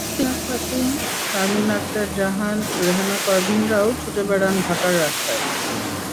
মহসিনা খাতুন, শারমিন আক্তার জাহান, রেহানা পারভীনরাও ছুটে বেড়ান ঢাকার রাস্তায়।